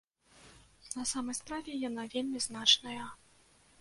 На самай справе, яна вельмі значная.